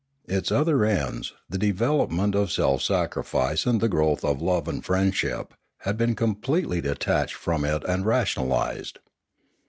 Its other ends, the development of self sacrifice and the growth of love and friendship, had been completely detached from it and rationalised.